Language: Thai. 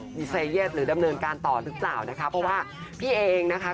มีไซเย่นหรือดำเนินการต่อหรือเปล่านะคะเพราะว่าพี่เองนะคะ